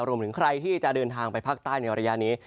รวมถึงใครที่จะเดินทางไปภาคใต้ในระยะนี้